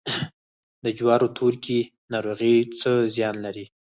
د جوارو تورکي ناروغي څه زیان لري؟